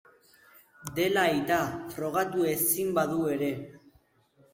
Dela aita, frogatu ezin badu ere.